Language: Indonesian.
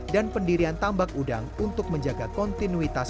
dan pendirian tambak udang untuk menjaga kontinuitas